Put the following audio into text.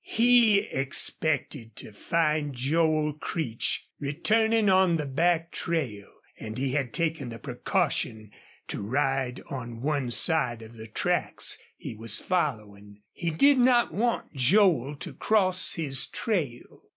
He expected to find Joel Creech returning on the back trail, and he had taken the precaution to ride on one side of the tracks he was following. He did not want Joel to cross his trail.